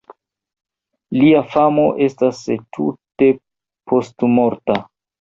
Lia famo estas tute postmorta.